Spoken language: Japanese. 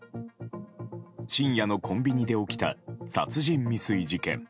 深夜のコンビニで起きた殺人未遂事件。